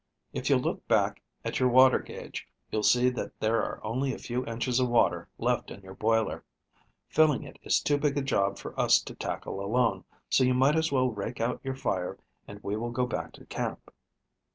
If you'll look back at your water gauge you'll see that there are only a few inches of water left in your boiler. Filling it is too big a job for us to tackle alone, so you might as well rake out your fire, and we will go back to camp."